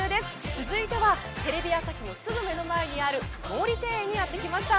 続いてはテレビ朝日のすぐ目の前にある毛利庭園にやってきました。